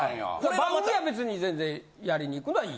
番組は全然やりにいくのはいい？